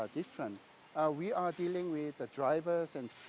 kami berobatan dengan pemilik kereta dan pemilik kapal